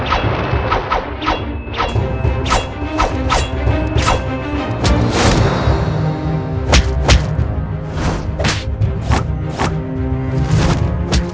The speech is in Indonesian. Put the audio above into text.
ini balasan atas penderitaan ibu ku